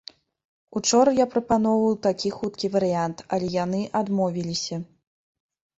Учора я прапаноўваў такі хуткі варыянт, але яны адмовіліся.